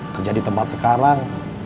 kerja di tempat sekarang